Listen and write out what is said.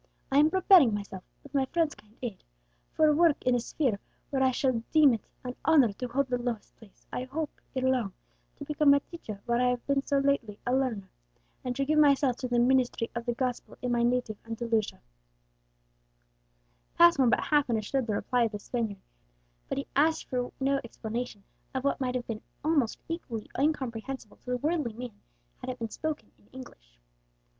I am preparing myself, with my friend's kind aid, for work in a sphere where I shall deem it an honour to hold the lowest place. I hope, ere long, to become a teacher where I have so lately become a learner, and to give myself to the ministry of the gospel in my native Andalusia." Passmore but half understood the reply of the Spaniard, but he asked for no explanation of what might have been almost equally incomprehensible to the worldly man had it been spoken in English.